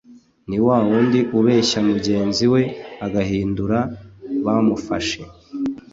ni wa wundi ubeshya mugenzi we agahindura bamufashe